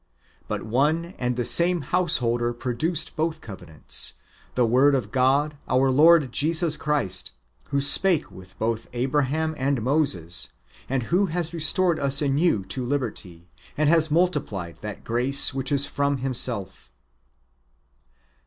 But one and the same householder produced both covenants, the Word of God, our Lord Jesus Christ, who spake with both Abraham and Moses, and who has restored us anew to liberty, and has multiplied that grace which is from Himself.